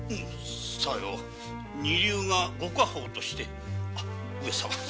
さよう二流が御家宝として上様ごめん！